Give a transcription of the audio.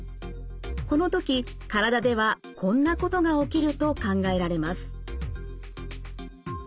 この時体ではこんなことが起きると考えられます。